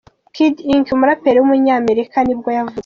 Kid Ink, umuraperi w’umunyamerika nibwo yavutse.